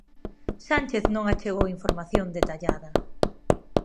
Sánchez non achegou información detallada.